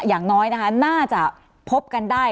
อย่างน้อยนะคะน่าจะพบกันได้